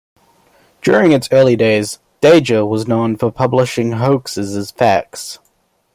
During its early days, "Veja" was known for publishing hoaxes as facts.